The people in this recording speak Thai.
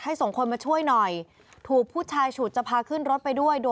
ส่งคนมาช่วยหน่อยถูกผู้ชายฉุดจะพาขึ้นรถไปด้วย